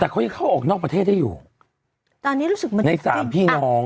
แต่เขายังเข้าออกนอกประเทศได้อยู่ในสามพี่น้อง